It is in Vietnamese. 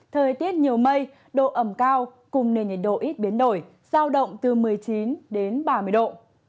thời tiết nhiều mây độ ẩm cao cùng nền nhiệt độ ít biến đổi giao động từ một mươi chín đến ba mươi độ